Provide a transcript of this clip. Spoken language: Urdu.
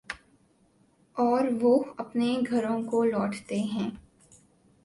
اوروہ اپنے گھروں کو لوٹتے ہیں۔